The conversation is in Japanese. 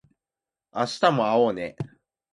明日も会おうね